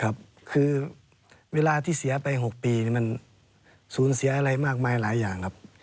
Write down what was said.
ครับคือเวลาที่เสียไป๖ปีมันสูญเสียอะไรมากมายหลายอย่างครับ